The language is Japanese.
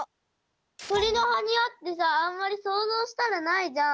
とりのはにわってさあんまりそうぞうしたらないじゃん。